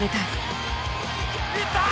いった！